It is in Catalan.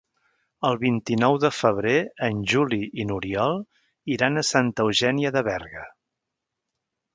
El vint-i-nou de febrer en Juli i n'Oriol iran a Santa Eugènia de Berga.